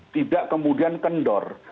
tidak kemudian kendor